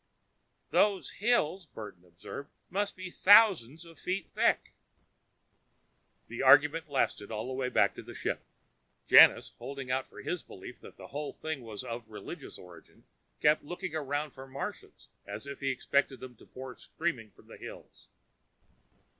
"Those hills," Burton observed, "must be thousands of feet thick." The argument lasted all the way back to the ship. Janus, holding out for his belief that the whole thing was of religious origin, kept looking around for Martians as if he expected them to pour screaming from the hills.